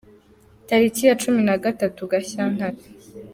Tariki ya cumi na gatatu Gashyantare